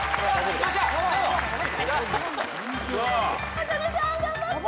浅野さん頑張って。